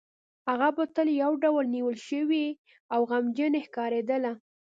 هغه به تل یو ډول نیول شوې او غمجنې ښکارېدله